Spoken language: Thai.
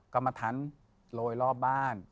ก็มาทันโรยรอบบ้าน